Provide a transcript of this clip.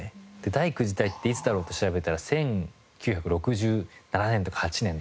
第九次隊っていつだろう？と調べたら１９６７年とか８年とか。